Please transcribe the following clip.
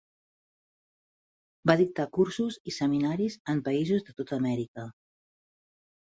Va dictar cursos i seminaris en països de tota Amèrica.